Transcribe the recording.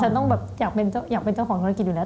ต้องแบบอยากเป็นเจ้าของธุรกิจอยู่แล้ว